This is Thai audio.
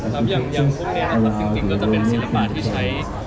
ครับอย่างพวกนี้นะครับจริงก็จะเป็นศิลปะที่ใช้